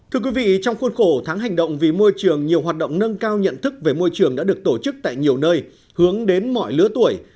thưa quý vị trong khuôn khổ tháng hành động vì môi trường nhiều hoạt động nâng cao nhận thức về môi trường đã được tổ chức tại nhiều nơi hướng đến mọi lứa tuổi